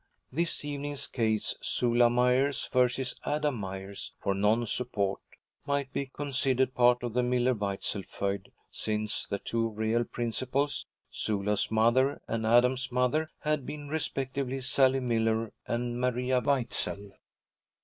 This evening's case, Sula Myers vs. Adam Myers for non support, might be considered part of the Miller Weitzel feud, since the two real principals, Sula's mother and Adam's mother, had been respectively Sally Miller and Maria Weitzel.